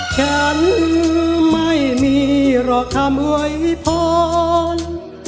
ฉันไม่มีหรอกคำอวยพร